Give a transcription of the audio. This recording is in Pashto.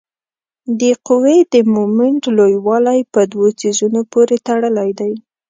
د قوې د مومنټ لویوالی په دوو څیزونو پورې تړلی دی.